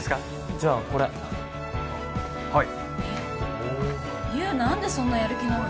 じゃあこれはい龍何でそんなやる気なの？